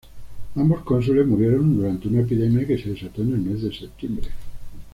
Ambos cónsules murieron durante una epidemia que se desató en el mes de septiembre.